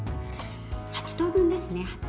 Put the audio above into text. ８等分ですね。